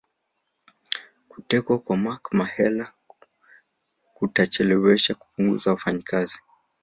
Kutekwa kwa Mark Mahela kutachelewesha kupunguza wafanyakazi